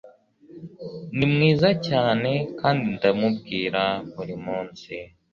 Ni mwiza cyane kandi ndamubwira buri munsi